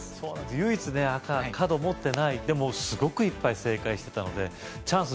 唯一ね赤角持ってないでもすごくいっぱい正解してたのでチャンス